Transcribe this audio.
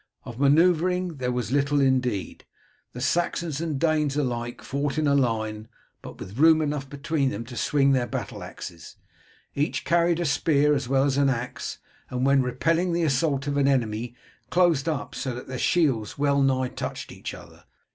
Of manoeuvring there was little indeed. The Saxons and Danes alike fought in line, with but room enough between them to swing their battle axes. Each carried a spear as well as an axe, and when repelling the assault of an enemy closed up so that their shields well nigh touched each other.